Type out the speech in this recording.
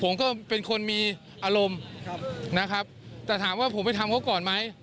ผมก็เป็นคนมีอารมณ์นะครับแต่ถามว่าผมไปทำเขาก่อนไหม